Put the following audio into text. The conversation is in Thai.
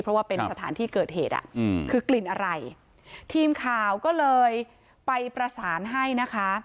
เพราะว่าเป็นสถานที่เกิดเหตุอ่ะอืมคือกลิ่นอะไรทีมข่าวก็เลยไปประสานให้นะคะ